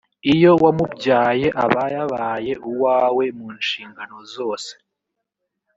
iyo wamubyaye abayabaye uwawe mushingano zose.